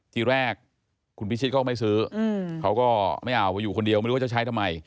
ทีแรกคุณพิชิตก็ไม่ซื้อเขาก็ไม่เอาไปอยู่คนเดียวไม่รู้ว่าจะใช้ทำไม